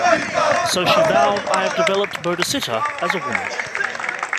So she vowed, I have developed bodhicitta as a woman.